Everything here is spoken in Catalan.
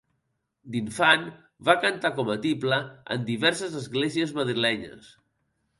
D'infant va cantar com a tiple en diverses esglésies madrilenyes.